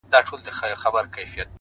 • د بلبلکو له سېلونو به وي ساه ختلې,